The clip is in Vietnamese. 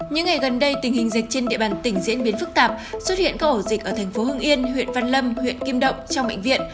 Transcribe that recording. những ngày gần đây tình hình dịch trên địa bàn tỉnh diễn biến phức tạp xuất hiện các ổ dịch ở thành phố hưng yên huyện văn lâm huyện kim động trong bệnh viện